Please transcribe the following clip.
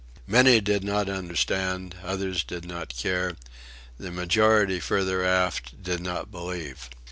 Many did not understand, others did not care; the majority further aft did not believe.